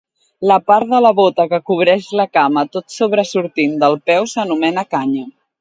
La part de la bota que cobreix la cama tot sobresortint del peu s'anomena canya.